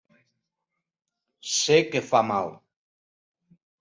Sé que fa mal.